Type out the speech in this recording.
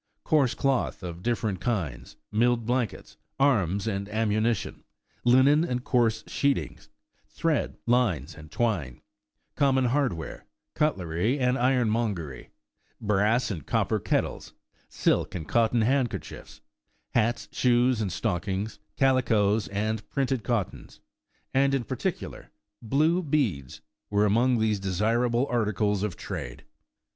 *' Coarse cloth of different kinds, milled blankets, arms and ammunition; linen and coarse sheetings; thread, lines and twine; common hardware; cutlery and ironmongery, brass and copper kettles, silk and cotton handkerchiefs, hats, shoes and stockings, calicoes and printed cottons — and in particu lar, blue beads. ''— were among these desirable articles of trade.